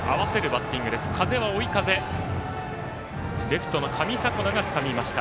レフトの上迫田つかみました。